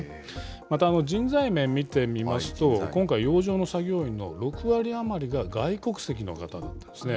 また人材面見てみますと、今回、洋上の作業員の６割余りが外国籍の方なんですね。